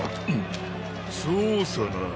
そうさなあ。